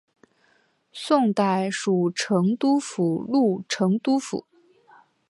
宋代属成都府路成都府。